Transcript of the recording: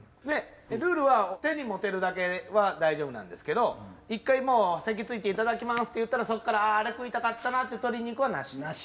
ルールは手に持てるだけは大丈夫なんですけど１回もう席着いていただきますって言ったらそこからあれ食いたかったなって取りに行くのはなし。